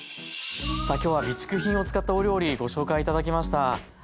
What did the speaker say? さあ今日は備蓄品を使ったお料理ご紹介頂きました。